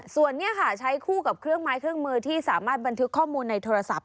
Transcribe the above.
ส่วนนี้ค่ะใช้คู่กับเครื่องไม้เครื่องมือที่สามารถบันทึกข้อมูลในโทรศัพท์